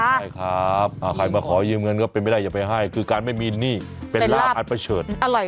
ใช่ครับใครมาขอยืมเงินก็เป็นไม่ได้อย่าไปให้คือการไม่มีหนี้เป็นลาบอันประเฉิด